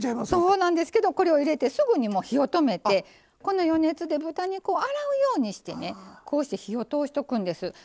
そうなんですけどこれを入れて、すぐに止めてこの余熱で豚肉を洗うようにして火を通しておくんです。